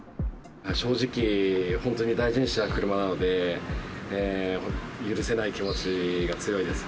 正直、本当に大事にしてた車なので、許せない気持ちが強いです。